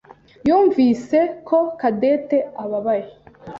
yumvise ko Cadette ababaye.